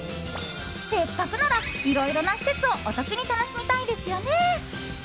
せっかくなら、いろいろな施設をお得に楽しみたいですよね。